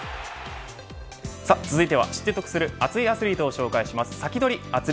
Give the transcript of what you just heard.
さあ続いては知って得する熱いアスリートを紹介しますサキドリ！